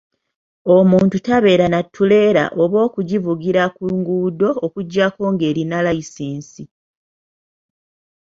Omuntu tabeere na ttuleera oba okugivugira ku nguudo okuggyako ng'erina layisinsi .